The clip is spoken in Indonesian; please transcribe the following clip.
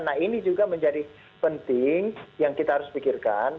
nah ini juga menjadi penting yang kita harus pikirkan